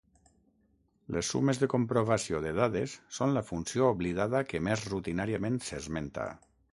Les sumes de comprovació de dades son la funció oblidada que més rutinàriament s'esmenta.